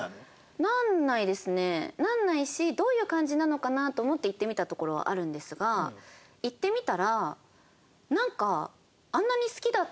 ならないしどういう感じなのかなと思って行ってみたところはあるんですが行ってみたらなんか。